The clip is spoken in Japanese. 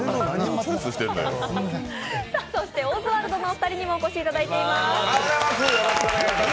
そしてオズワルドのお二人にもお越しいただいています。